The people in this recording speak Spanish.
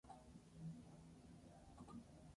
El viejo caudillo Vásquez gozaba del apoyo popular.